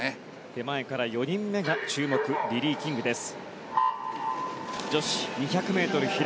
手前から４人目が注目のリリー・キングです。